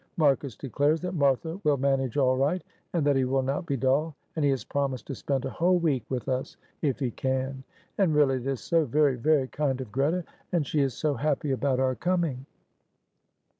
Marcus declares that Martha will manage all right, and that he will not be dull; and he has promised to spend a whole week with us if he can. And really, it is so very, very kind of Greta, and she is so happy about our coming."